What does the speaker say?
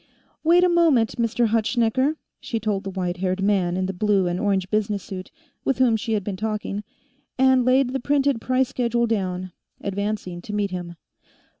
"Wait a moment, Mr. Hutschnecker," she told the white haired man in the blue and orange business suit with whom she had been talking, and laid the printed price schedule down, advancing to meet him.